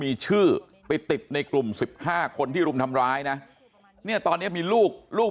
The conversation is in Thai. มีชื่อไปติดในกลุ่ม๑๕คนที่รุมทำร้ายนะเนี่ยตอนนี้มีลูกลูก